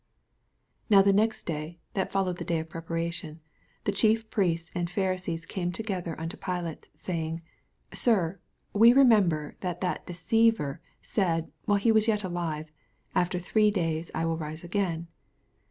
•2 Now the next day^ that followed the day of the preparation, the Chief Priests and Pharisees came together unto Pilate, 68 Saying, Sir, we remember that that deceiver said, while he was ^et alive, Afcer three days 1 will rise again.